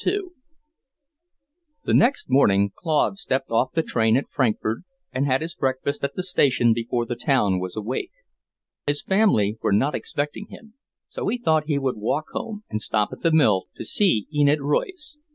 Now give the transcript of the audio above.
II The next morning Claude stepped off the train at Frankfort and had his breakfast at the station before the town was awake. His family were not expecting him, so he thought he would walk home and stop at the mill to see Enid Royce.